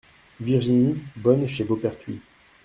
Virginie , bonne chez Beauperthuis.